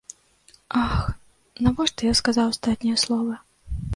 Ах, навошта я сказаў астатнія словы!